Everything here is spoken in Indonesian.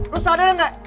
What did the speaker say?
lo sadar gak